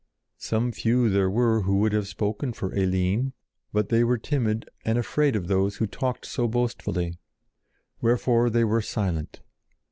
Some few there were who would have spoken for Eline, but they were timid and afraid of those who talked so boastfully. Wherefore they were silent.